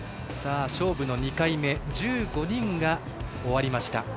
勝負の２回目１５人が終わりました。